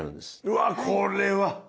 うわこれは！